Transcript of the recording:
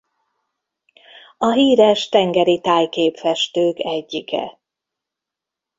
A híres tengeri tájképfestők egyike.